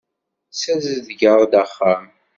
Ssazedgeɣ-d axxam.